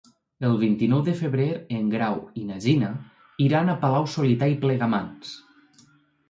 El vint-i-nou de febrer en Grau i na Gina iran a Palau-solità i Plegamans.